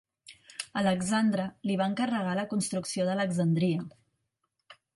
Alexandre li va encarregar la construcció d'Alexandria.